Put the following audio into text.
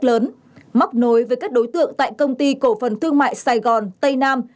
hồ sơ mua bán rất lớn móc nối với các đối tượng tại công ty cổ phần thương mại sài gòn tây nam